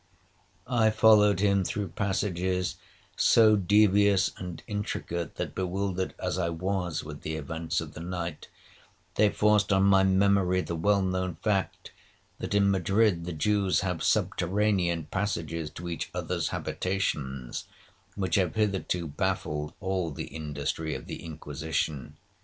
'I followed him through passages so devious and intricate, that, bewildered as I was with the events of the night, they forced on my memory the well known fact, that in Madrid the Jews have subterranean passages to each other's habitations, which have hitherto baffled all the industry of the Inquisition.